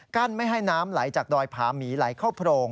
ไม่ให้น้ำไหลจากดอยผาหมีไหลเข้าโพรง